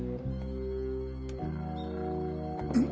うん？